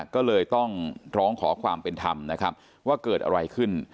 ก็เลยต้องร้องขอความเป็นธรรมนะครับว่าเกิดอะไรขึ้น